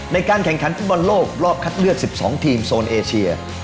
ในการแข่งขันฟุตบอลโลกรอบคัดเลือก๑๒ทีมโซนเอเชีย